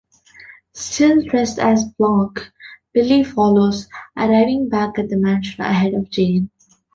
Still dressed as Blanche, Billy follows, arriving back at the mansion ahead of Jane.